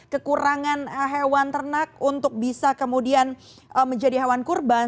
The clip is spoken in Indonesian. kekurangan hewan ternak untuk bisa kemudian menjadi hewan kurban